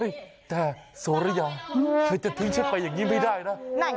แต่โสริยาเธอจะทิ้งฉันไปอย่างนี้ไม่ได้นะ